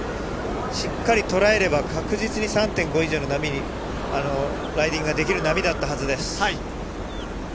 しっかりとらえれば確実に３．５以上の波にライディングができる波だったはずです。